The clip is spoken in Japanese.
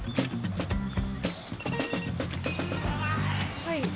はい。